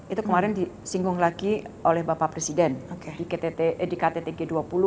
itu kemarin disinggung lagi oleh bapak presiden di ktt g dua puluh